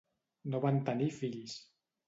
No van tenir fills.